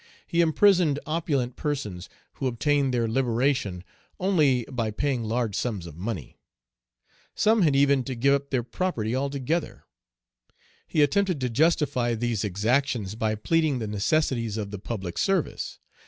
He imprisoned opulent persons, who obtained their liberation only by paying large sums of money. Some had even to give up their property altogether. He attempted to justify these exactions by pleading the necessities of the public service.